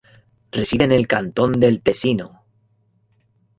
Reside en el cantón del Tesino.